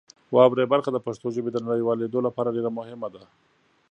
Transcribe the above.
واورئ برخه د پښتو ژبې د نړیوالېدو لپاره ډېر مهمه ده.